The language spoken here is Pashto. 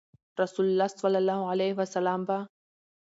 رسول الله صلی الله عليه وسلم به